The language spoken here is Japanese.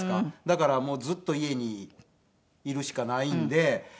だからずっと家にいるしかないんで。